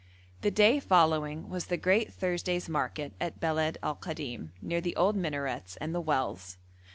The day following was the great Thursday's Market at Beled al Kadim, near the old minarets and the wells.